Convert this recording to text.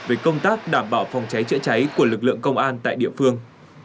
về công tác đảm bảo phòng cháy chữa cháy của lực lượng công an tại địa phương